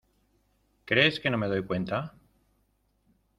¿ crees que no me doy cuenta?